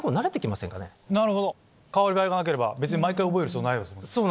なるほど代わり映えがなければ別に毎回覚える必要はないですもんね。